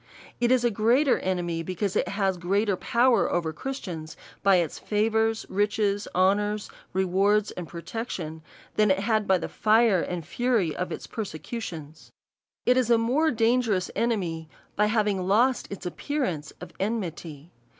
It is a greater enemy, because it has greater power over Christians by its favours, riches, honours, re wards, and protections, than it had by the fire and fury of its persecutions. It is a more dangerous enemy, by having lost its appeaiance of enmity.